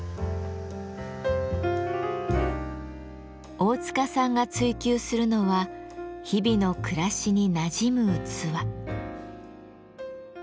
大塚さんが追求するのは日々の暮らしになじむ器。